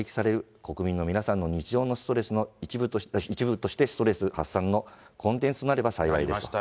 国民の皆さんの日常のストレスの一部として、ストレス発散のコンテンツとなれれば幸いですと。